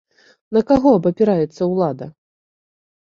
На каго абапіраецца ўлада?